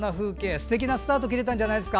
すてきなスタート切れたんじゃないですか。